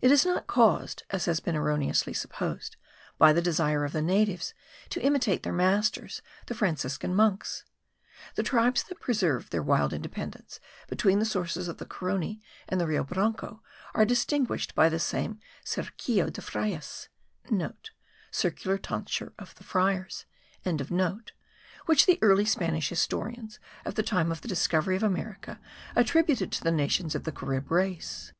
It is not caused, as had been erroneously supposed, by the desire of the natives to imitate their masters, the Franciscan monks. The tribes that have preserved their wild independence, between the sources of the Carony and the Rio Branco, are distinguished by the same cerquillo de frailes,* (* Circular tonsure of the friars.) which the early Spanish historians at the time of the discovery of America attributed to the nations of the Carib race.